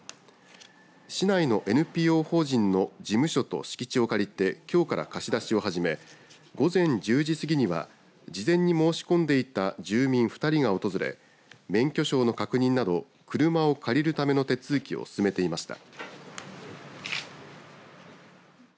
市内のＮＰＯ法人の事務所と敷地を借りてきょうから貸し出しを始め午前１０時過ぎには事前に申し込んでいた住民２人が訪れ免許証の確認など車を借りるための手続きを進めていました。